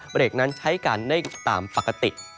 เบรกนั้นใช้กันได้ตามปกติ